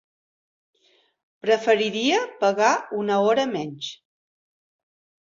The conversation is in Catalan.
Preferiria pagar una hora menys.